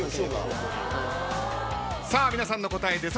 さあ皆さんの答え